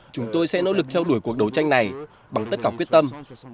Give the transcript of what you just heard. chúng tôi sẽ nỗ lực theo đuổi cuộc đấu tranh này bằng tất cả quyết tâm